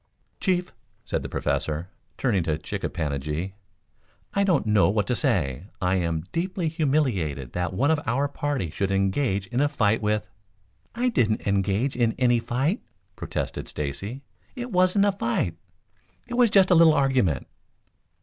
"Chief," said the Professor, turning to Chick a pan a gi, "I don't know what to say. I am deeply humiliated that one of our party should engage in a fight with " "I didn't engage in any fight," protested Stacy. "It wasn't a fight, it was just a little argument."